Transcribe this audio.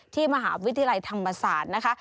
ที่มหาวิทยาลัยธรรมศาสตร์นะคะ